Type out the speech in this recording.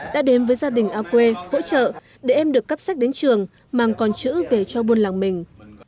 đã đến với gia đình ao quê hỗ trợ để em được cắp sách đến trường mang con chữ về cho buôn làng mình